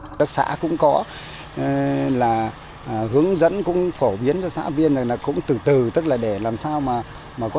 hợp tác xã cũng có là hướng dẫn cũng phổ biến cho xã biên là cũng từ từ tức là để làm sao mà mà có